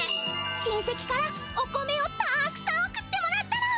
親せきからお米をたっくさん送ってもらったの。